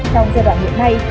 trong giai đoạn hiện nay